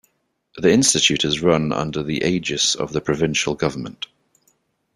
The institute is run under the aegis of the provincial government.